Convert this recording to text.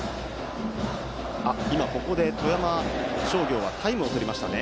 今、富山商業はタイムを取りました。